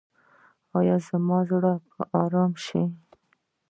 ایا زما زړه به ارام شي؟